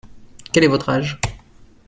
Quel est votre âge ?